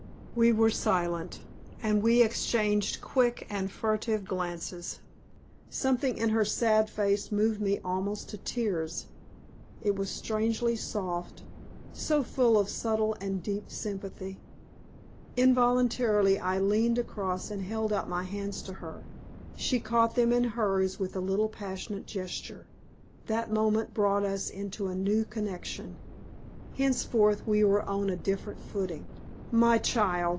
We were silent, and we exchanged quick and furtive glances. Something in her sad face moved me almost to tears it was strangely soft, so full of subtle and deep sympathy. Involuntarily I leaned across and held out my hands to her. She caught them in hers with a little passionate gesture. That moment brought us into a new connection. Henceforth we were on a different footing. "My child!"